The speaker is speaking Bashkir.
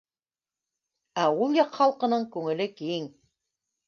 Ә ул яҡ халҡының күңеле киң